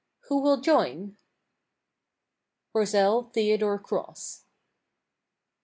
Who will join? Roselle Theodore Cross.